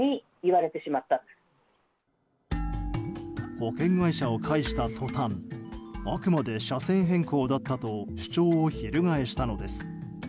保険会社を介した途端あくまで車線変更だったと主張をひるがえしたのです。